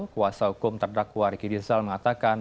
kuasa hukum terdakwa riki rizal mengatakan